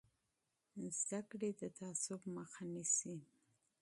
تعلیم د تعصب مخه نیسي.